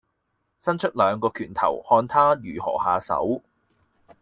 伸出兩個拳頭，看他如何下手。